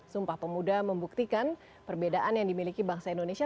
sumpah pemuda membuktikan perbedaan yang dimiliki bangsa indonesia